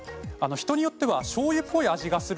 人によってはしょうゆっぽい味がする